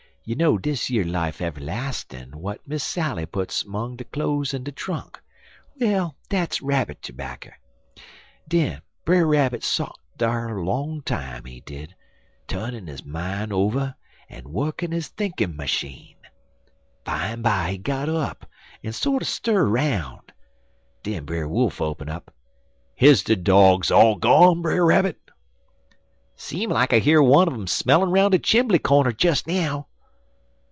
You know dis yer life ev'lastin' w'at Miss Sally puts 'mong de cloze in de trunk; well, dat's rabbit terbacker. Den Brer Rabbit sot dar long time, he did, turnin' his mine over en wukken his thinkin' masheen. Bimeby he got up, en sorter stir 'roun'. Den Brer Wolf open up: "'Is de dogs all gone, Brer Rabbit?' "'Seem like I hear one un um smellin' roun' de chimbly cornder des now.'